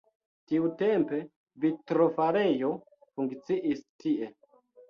Tiutempe vitrofarejo funkciis tie.